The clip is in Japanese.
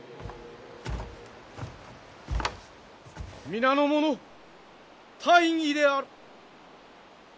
皆の者大儀である！